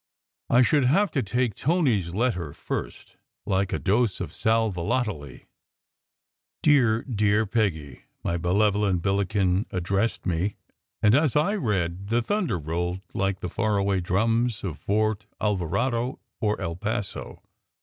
I should have to take Tony s letter first, like a dose of sal volatile. "Dear, dear Peggy," my benevolent Billiken addressed me, and as I read, the thunder rolled like the far away drums of Fort Alvarado or El Paso.